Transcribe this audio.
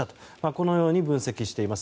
このように分析しています。